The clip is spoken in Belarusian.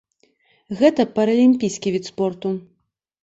Гэта паралімпійскі від спорту.